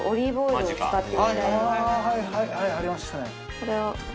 これを。